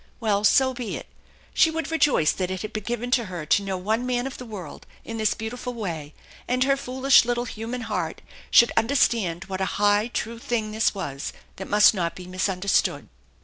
Well, so be it. She would rejoice that it had been given her to know one man of the world in this beautiful way; and her foolish little human heart should understand what a high, true thing this was that must not be misunderstood.